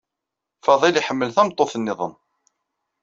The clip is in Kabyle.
Faḍil yḥemmel tameṭṭut niḍen.